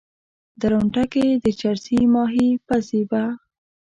درونټه کې د چرسي ماهي پزي به